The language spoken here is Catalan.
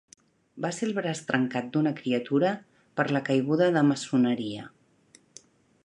Va ser el braç trencat d'una criatura per la caiguda de maçoneria.